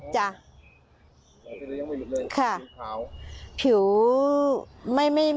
สายสดุยังไม่ลงเลย